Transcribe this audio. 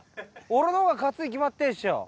俺の方が勝つに決まってるでしょ。